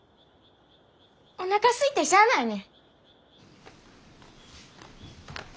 おなかすいてしゃあないねん。